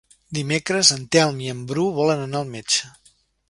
Dimecres en Telm i en Bru volen anar al metge.